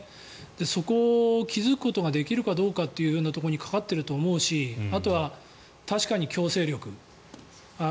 そこを気付くことができるかどうかというところにかかっていると思うしあとは確かに強制力。